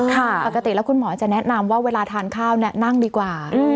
ปกติแล้วคุณหมอจะแนะนำว่าเวลาทานข้าวเนี่ยนั่งดีกว่า